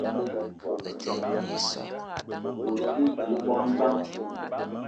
O te dje bongo bang ?